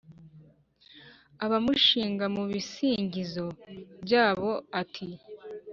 abamushinga mu bisingizo byabo; ati: